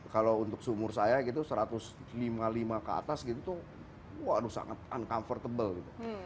kalau untuk seumur saya gitu seratus lima lima ke atas gitu tuh waduh sangat uncomfortable